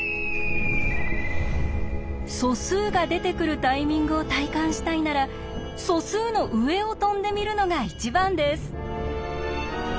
素数が出てくるタイミングを体感したいなら素数の上を飛んでみるのが一番です。